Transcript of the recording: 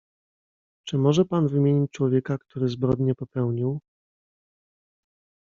"Czy może pan wymienić człowieka, który zbrodnię popełnił?"